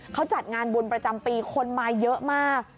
เขาจัดงานบุญประจำปีคนมาเยอะมาก